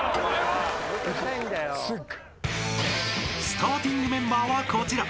［スターティングメンバーはこちら］